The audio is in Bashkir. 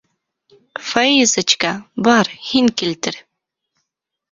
Фаизочка, бар, һин килтер.